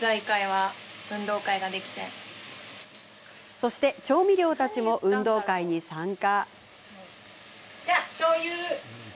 そして調味料たちも運動会に参加。